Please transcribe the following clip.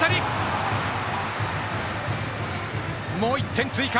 もう１点追加。